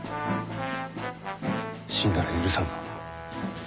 死んだら許さんぞ。